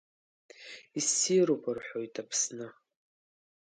Иссируп, рҳәоит, Аԥсны.